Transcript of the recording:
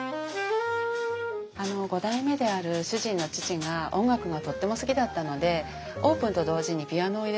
あの５代目である主人の父が音楽がとっても好きだったのでオープンと同時にピアノを入れたんですね。